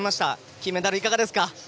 金メダル、いかがですか？